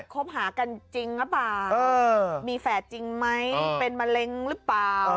คบหากันจริงหรือเปล่ามีแฝดจริงไหมเป็นมะเร็งหรือเปล่า